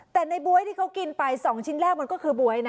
แต่ในบ๊วยที่เขากินไป๒ชิ้นแรกมันก็คือบ๊วยนะ